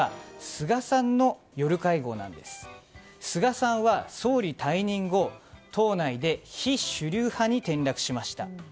菅さんは総理退任後党内で非主流派に転落しました。